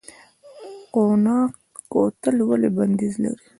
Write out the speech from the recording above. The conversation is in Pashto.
قوناق کوتل ولې بندیز لري؟